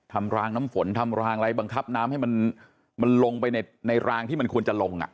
รางน้ำฝนทำรางอะไรบังคับน้ำให้มันลงไปในรางที่มันควรจะลง